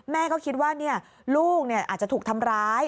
แม่ก็คิดว่าลูกอาจจะถูกทำร้าย